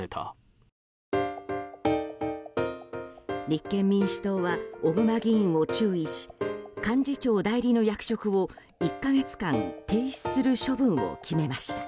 立憲民主党は小熊議員を注意し幹事長代理の役職を１か月間停止する処分を決めました。